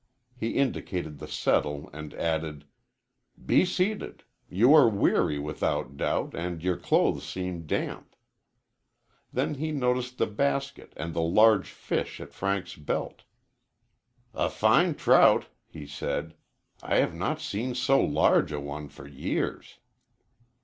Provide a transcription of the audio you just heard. He indicated the settle, and added: "Be seated. You are weary, without doubt, and your clothes seem damp." Then he noticed the basket and the large fish at Frank's belt. "A fine trout," he said; "I have not seen so large a one for years."